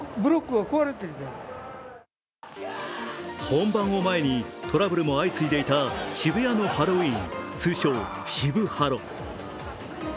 本番を前にトラブルも相次いでいた渋谷のハロウィーン、通称・渋ハロ。